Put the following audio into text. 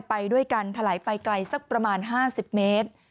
ไปด้วยกันถลายไปไกลสักประมาณ๕๐เมตร